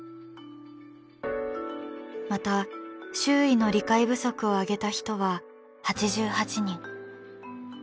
また周囲の理解不足を挙げた人は８８人。